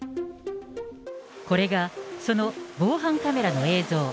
これが、その防犯カメラの映像。